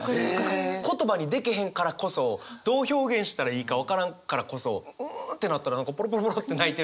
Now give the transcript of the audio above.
言葉にできへんからこそどう表現したらいいか分からんからこそ「う」ってなったら何かポロポロポロって泣いてる時があって。